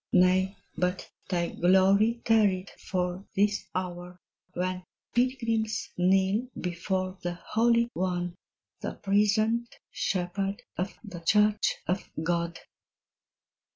Nay, but thy glory tarried for this hour, When pilgrims kneel before the Holy One, The prisoned shepherd of the Church of God.